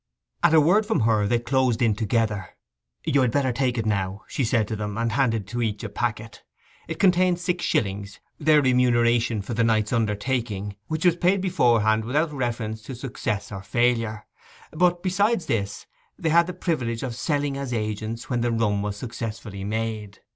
At a word from her they closed in together. 'You had better take it now,' she said to them; and handed to each a packet. It contained six shillings, their remuneration for the night's undertaking, which was paid beforehand without reference to success or failure; but, besides this, they had the privilege of selling as agents when the run was successfully made.